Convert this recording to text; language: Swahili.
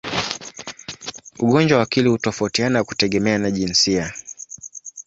Ugonjwa wa akili hutofautiana kutegemea jinsia.